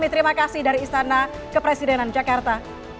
terima kasih dari istana kepresidenan jakarta